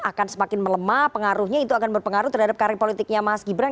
akan semakin melemah pengaruhnya itu akan berpengaruh terhadap karir politiknya mas gibran